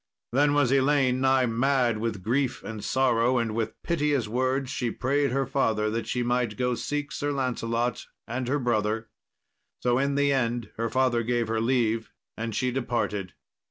Then was Elaine nigh mad with grief and sorrow, and with piteous words she prayed her father that she might go seek Sir Lancelot and her brother. So in the end her father gave her leave, and she departed.